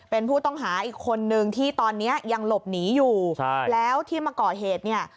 เป็นผู้ต้องหาอีกคนนึงที่ตอนนี้ยังหลบหนีอยู่แล้วที่มาก่อเหตุเนี่ย